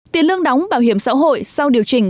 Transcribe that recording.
tiền lương đóng bảo hiểm xã hội sau điều chỉnh